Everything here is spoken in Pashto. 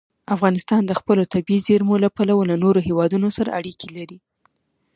افغانستان د خپلو طبیعي زیرمو له پلوه له نورو هېوادونو سره اړیکې لري.